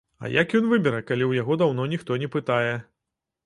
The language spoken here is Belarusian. А як ён выбера, калі ў яго даўно ніхто не пытае.